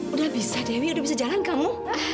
udah bisa dewi udah bisa jalan kamu